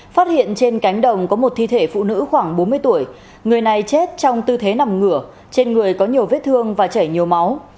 phát hiện trên cánh đồng có một thi thể phụ nữ khoảng bốn mươi tuổi người này chết trong tư thế nằm ngửa trên người có nhiều vết thương và chảy nhiều máu